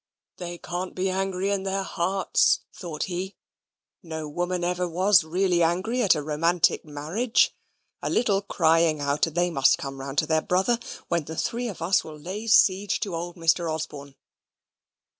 They can't be angry in their hearts, thought he. No woman ever was really angry at a romantic marriage. A little crying out, and they must come round to their brother; when the three of us will lay siege to old Mr. Osborne.